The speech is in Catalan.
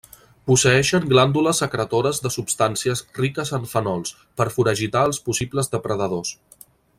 Posseeixen glàndules secretores de substàncies riques en fenols, per foragitar els possibles depredadors.